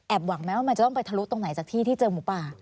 หวังไหมว่ามันจะต้องไปทะลุตรงไหนจากที่ที่เจอหมูป่า